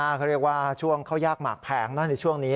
เขาเรียกว่าช่วงเข้ายากหมากแพงนะในช่วงนี้